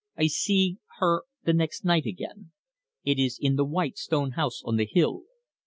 "I see her, the next night again. It is in the white stone house on the hill.